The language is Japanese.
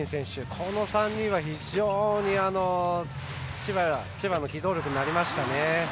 この３人は非常に千葉の機動力になりましたね。